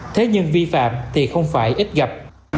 thế nhưng vi phạm thì không phải ít gặp